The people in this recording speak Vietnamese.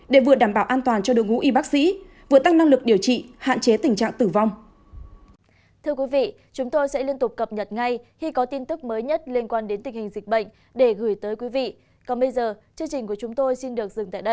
để vừa đảm bảo an toàn cho đội ngũ y bác sĩ vừa tăng năng lực điều trị hạn chế tình trạng tử vong